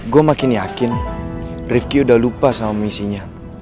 gue makin yakin rifki udah lupa sama misinya